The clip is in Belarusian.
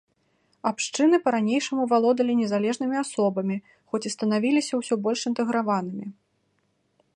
Абшчыны па-ранейшаму валодалі незалежнымі асобамі, хоць і станавіліся ўсё больш інтэграванымі.